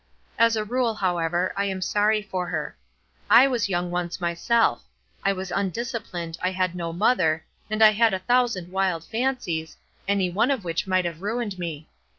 As a rule, however, I am sorry for her. I was young once myself. I was undisciplined, I had no mother, and I had a thousand wild fancies, any one of which might have ruined me.